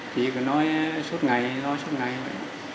chị cứ nói suốt ngày nói suốt ngày vậy